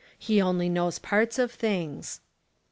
He only knows parts of things.